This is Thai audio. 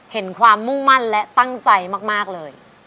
เห็นความมุ่งมั่นและตั้งใจมากเลย